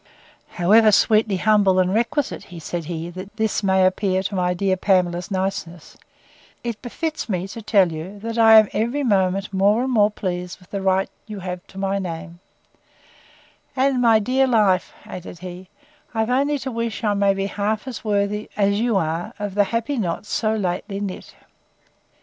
However sweetly humble and requisite, said he, this may appear to my dear Pamela's niceness, it befits me to tell you, that I am every moment more and more pleased with the right you have to my name: and, my dear life, added he, I have only to wish I may be half as worthy as you are of the happy knot so lately knit.